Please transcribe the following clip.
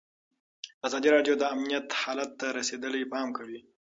ازادي راډیو د امنیت حالت ته رسېدلي پام کړی.